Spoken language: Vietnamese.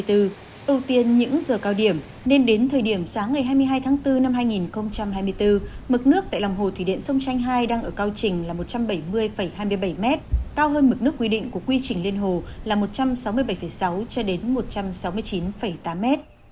ưu tiên những giờ cao điểm nên đến thời điểm sáng ngày hai mươi hai tháng bốn năm hai nghìn hai mươi bốn mực nước tại lòng hồ thủy điện sông chanh hai đang ở cao trình là một trăm bảy mươi hai mươi bảy m cao hơn mực nước quy định của quy trình liên hồ là một trăm sáu mươi bảy sáu một trăm sáu mươi chín tám m